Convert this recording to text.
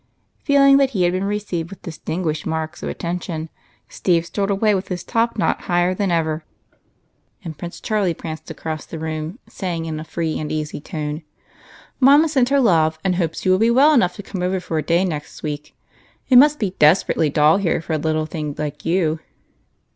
Feeling that he had been received with distin guished marks of attention, Steve strolled away with his top knot higher than ever, and Prince Charlie pranced across the room, saying in a free and easy tone, —" Mamma sent her love and hopes you will be well enough to come over for a day next week. It must be desperately dull here for a little thing like you."